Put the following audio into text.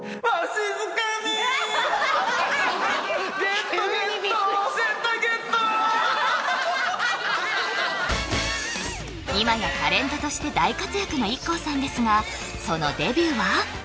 急にビックリした今やタレントとして大活躍のＩＫＫＯさんですがそのデビューは？